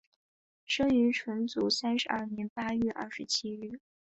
生于纯祖三十二年八月二十七日。